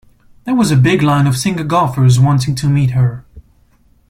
There was a big line of single golfers wanting to meet her.